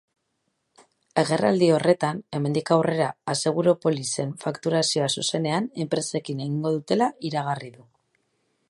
Agerraldi horretan, hemendik aurrera aseguru-polizen fakturazioa zuzenean enpresekin egingo dutela iragarri du.